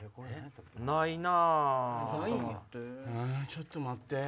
ちょっと待って。